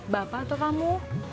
bapak atau kamu